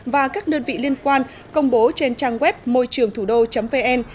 và các đơn vị liên quan công bố trên trang web môi trườngthủđô vn